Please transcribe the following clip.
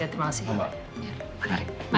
terima kasih ya mas